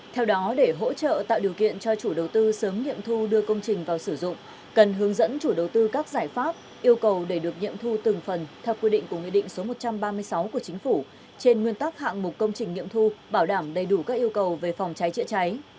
theo đó để hỗ trợ tạo điều kiện cho chủ đầu tư sớm nghiệm thu đưa công trình vào sử dụng cần hướng dẫn chủ đầu tư các giải pháp yêu cầu để được nghiệm thu từng phần theo quy định của nghị định số một trăm ba mươi sáu của chính phủ trên nguyên tắc hạng mục công trình nghiệm thu bảo đảm đầy đủ các yêu cầu về phòng cháy chữa cháy